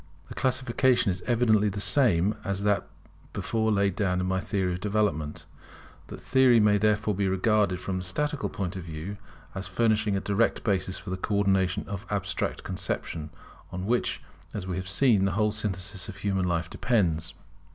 The classification is evidently the same as that before laid down in my theory of development. That theory therefore may be regarded, from the statical point of view, as furnishing a direct basis for the co ordination of Abstract conception, on which, as we have seen, the whole synthesis of human life depends.